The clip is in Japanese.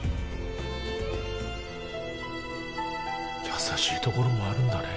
優しいところもあるんだね。